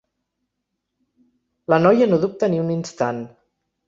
La noia no dubta ni un instant.